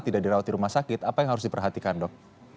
tidak dirawat di rumah sakit apa yang harus diperhatikan dok